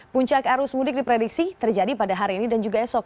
puncak arus mudik diprediksi terjadi pada hari ini dan juga esok